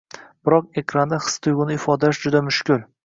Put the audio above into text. Biroq ekranda his-tuygʻuni ifodalash juda mushkul